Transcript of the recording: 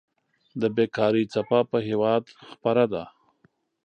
د بيکاري څپه په هېواد خوره ده.